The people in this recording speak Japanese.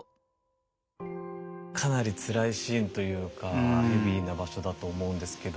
かなりつらいシーンというかヘビーな場所だと思うんですけど。